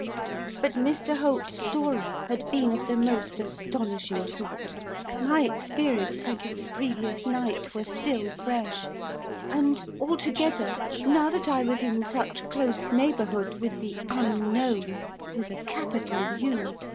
But Mr Holt's story had been of the most astonishing sort, my experiences of the previous night were still fresh, and, altogether, now that I was in such close neighbourhood with the Unknown with a capital U!